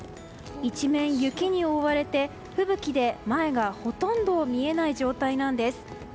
一面雪に覆われて、吹雪で前がほとんど見えない状態です。